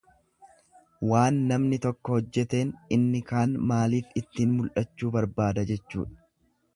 Waan namni toko hojjeteen inni kaan maaliif ittiin mul'achuu barbaada jechuudha.